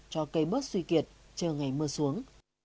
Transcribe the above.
cho cây mớt suy kiệt chờ ngày mưa xuống